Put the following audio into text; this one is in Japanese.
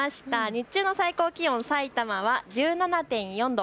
日中の最高気温、さいたまは１７．４度。